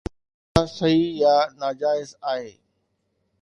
سندن نڪاح صحيح يا ناجائز آهي